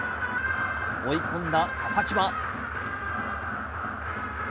追い込んだ佐々木は。